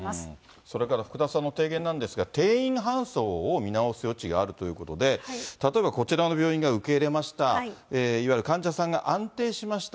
それから福田さんの提言なんですが、転院搬送を見直す余地があるということで、例えばこちらの病院が受け入れました、いわゆる患者さんが安定しました。